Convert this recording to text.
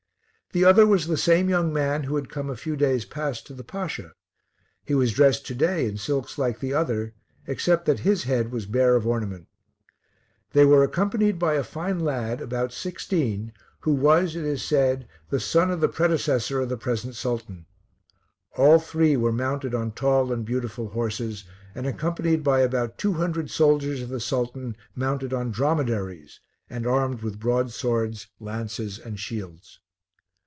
The other was the same young man who had come a few days past to the Pasha. He was dressed to day in silks like the other, except that his head was bare of ornament. They were accompanied by a fine lad about sixteen, who was, it is said, the son of the predecessor of the present Sultan. All three were mounted on tall and beautiful horses, and accompanied by about two hundred soldiers of the Sultan, mounted on dromedaries, and armed with broadswords, lances and shields.